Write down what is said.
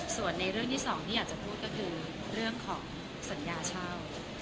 ส่วนในเรื่องที่สองที่อยากจะพูดก็คือเรื่องของสัญญาเช่า